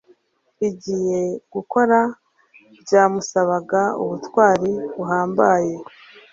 igiye gukora byamusabaga ubutwari buhambaye